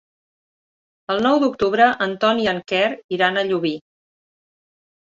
El nou d'octubre en Ton i en Quer iran a Llubí.